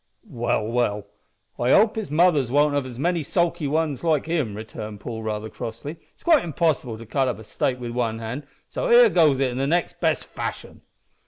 "Well, well, I hope his after mothers won't have many sulky ones like him," returned Paul, rather crossly. "It's quite impossible to cut up a steak wi' one hand, so here goes i' the next best fashion."